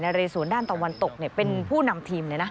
นะเรศวนด้านตะวันตกเป็นผู้นำทีม